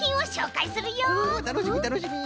たのしみたのしみ。